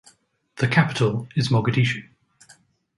The capital is Mogadishu.